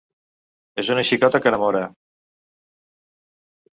És una xicota que enamora!